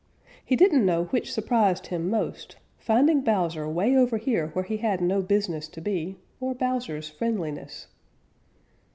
He didn't know which surprised him most, finding Bowser 'way over here where he had no business to be, or Bowser's friendliness.